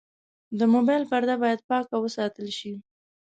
د موبایل پرده باید پاکه وساتل شي.